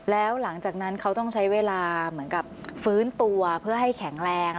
แล้วหลังจากนั้นเขาต้องใช้เวลาเหมือนกับฟื้นตัวเพื่อให้แข็งแรง